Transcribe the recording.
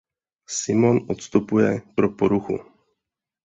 Simon odstupuje pro poruchu.